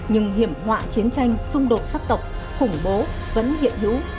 nhưng hiểm họa chiến tranh xung đột sắc tộc khủng bố vẫn hiện hữu